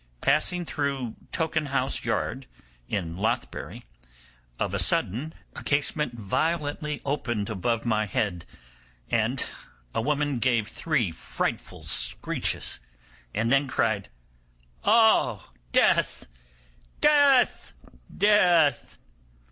Passing through Tokenhouse Yard, in Lothbury, of a sudden a casement violently opened just over my head, and a woman gave three frightful screeches, and then cried, 'Oh! death, death, death!